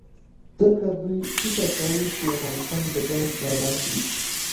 ځکه دوی فکر کاوه چې افغانستان به جنګ اعلان کړي.